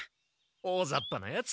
おおざっぱなヤツ。